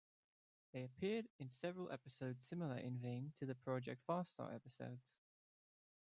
They appeared in several episodes similar in vein to the Project Farstar episodes.